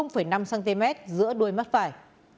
năm cm giữa đuôi mắt phải